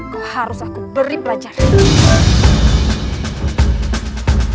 kok harus aku beri pelajaran